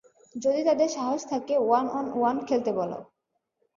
যদি তাদের সাহস থাকে, ওয়ান-অন-ওয়ান খেলতে বলো।